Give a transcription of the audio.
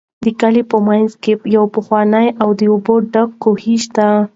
د کلي په منځ کې یو پخوانی او د اوبو ډک کوهی شته.